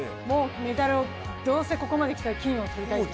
メダルを、どうせここまで来たら金を取りたいと。